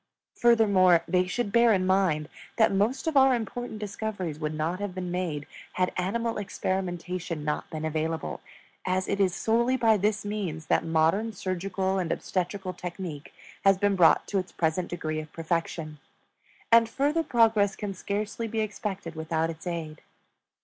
Furthermore, they should bear in mind that most of our important discoveries would not have been made had animal experimentation not been available, as it is solely by this means that modern surgical and obstetrical technique has been brought to its present degree of perfection; and further progress can scarcely be expected without its aid.